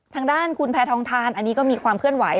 ทางด้านคุณแพทองทานอันนี้ก็มีความเคลื่อนไหว